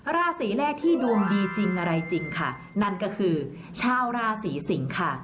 ราศีแรกที่ดวงดีจริงอะไรจริงค่ะนั่นก็คือชาวราศีสิงค่ะ